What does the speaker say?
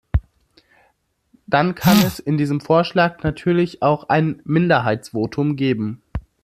Dann kann es in diesem Vorschlag natürlich auch ein Minderheitsvotum geben.